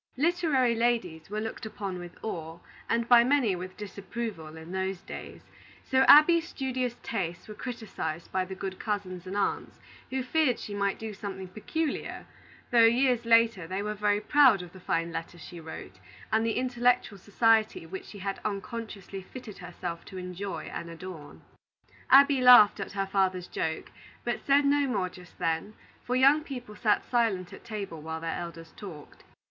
Literary ladies were looked upon with awe, and by many with disapproval, in those days; so Abby's studious tastes were criticised by the good cousins and aunts, who feared she might do something peculiar; though, years later, they were very proud of the fine letters she wrote, and the intellectual society which she had unconsciously fitted herself to enjoy and adorn. Abby laughed at her father's joke, but said no more just then; for young people sat silent at table while their elders talked.